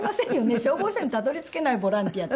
消防署にたどり着けないボランティアって。